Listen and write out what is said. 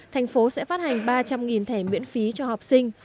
thành phố sẽ phát hành ba trăm linh thẻ miễn phí cho học sinh